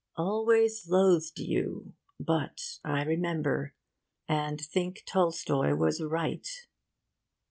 Always loathed you, but, I remember; and think Tolstoi was right.